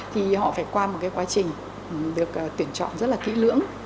thì họ phải qua một cái quá trình được tuyển chọn rất là kỹ lưỡng